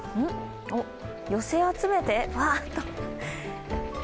寄せ集めてわーっと。